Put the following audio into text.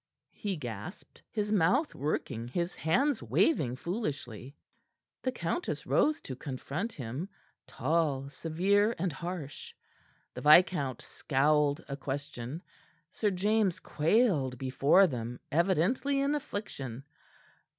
he gasped, his mouth working, his hands waving foolishly. The countess rose to confront him, tall, severe and harsh. The viscount scowled a question. Sir James quailed before them, evidently in affliction.